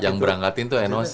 yang berangkatin itu noc